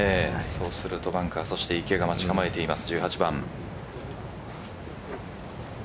そうすると、バンカーそして、池が待ち構えています